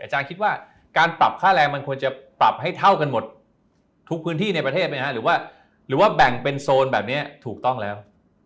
อาจารย์คิดว่าการปรับค่าแรงมันควรจะปรับให้เท่ากันหมดทุกพื้นที่ในประเทศไหมฮะหรือว่าหรือว่าแบ่งเป็นโซนแบบนี้ถูกต้องแล้ว